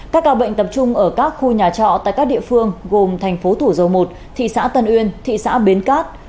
các ca bệnh tập trung ở các khu nhà trọ tại các địa phương gồm thành phố thủ dầu một thị xã tân uyên thị xã bến cát